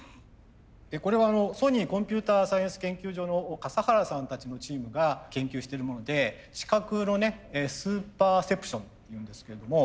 これはソニーコンピュータサイエンス研究所の笠原さんたちのチームが研究してるもので知覚のねスーパーセプションっていうんですけれども。